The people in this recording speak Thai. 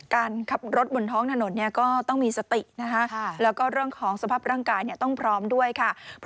การขับรถบนท้องถนนเนี่ยก็ต้องมีสตินะคะแล้วก็เรื่องของสภาพร่างกายต้องพร้อมด้วยค่ะ